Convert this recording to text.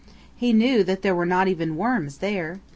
He knew that there were not even worms there.